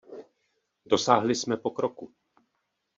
Dosáhli jsme pokroku.